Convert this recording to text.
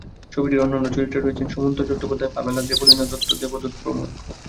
ছবিটির অন্যান্য চরিত্রে রয়েছেন সুমন্ত চট্টোপাধ্যায়, পামেলা, দেবলীনা দত্ত, দেবদূত প্রমুখ।